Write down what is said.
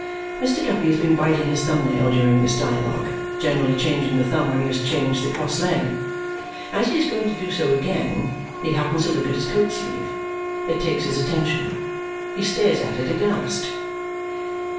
Mr. Guppy has been biting his thumb nail during this dialogue, generally changing the thumb when he has changed the cross leg. As he is going to do so again, he happens to look at his coat sleeve. It takes his attention. He stares at it, aghast.